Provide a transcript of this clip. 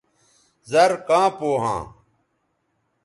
زر کاں پو ھاں